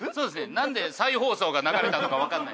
なんで再放送が流れたのかわからない。